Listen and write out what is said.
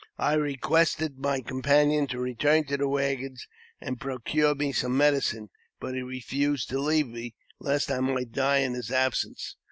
I requested my companion to return to the waggons and procure me some medicine ; but he refused to leave me^ lest I might die in his absence.